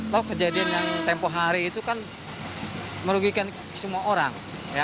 tau kejadian yang tempoh hari itu kan merugikan semua orang